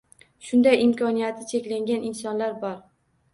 Shunday imkoniyati cheklangan insonlar bor.